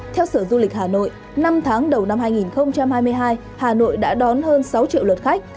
theo sở du lịch hà nội năm tháng đầu năm hai nghìn hai mươi hai hà nội đã đón hơn sáu triệu lượt khách